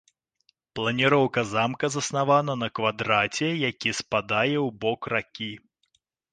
Планіроўка замка заснавана на квадраце, які спадае ў бок ракі.